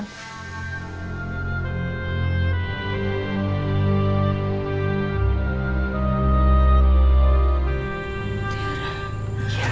nanti mama akan cari tiara